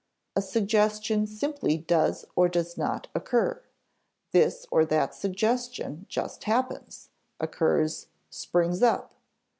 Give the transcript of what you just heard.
A suggestion simply does or does not occur; this or that suggestion just happens, occurs, springs up.